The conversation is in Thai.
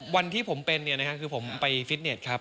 วันที่ผมเป็นเนี่ยนะครับคือผมไปฟิตเนตครับ